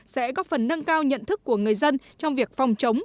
sẽ có phần nâng cao nhận thức của người dân trong việc phòng chống